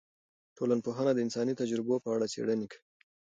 ټولنپوهنه د انساني تجربو په اړه څیړنې کوي.